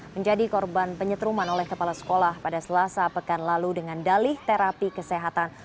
menjadi korban penyetruman oleh kepala sekolah pada selasa pekan lalu dengan dalih terapi kesehatan